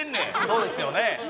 そうですよね？